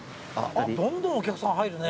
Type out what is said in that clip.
どんどんお客さん入るね。